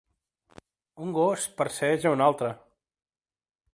un gos persegueix a un altre.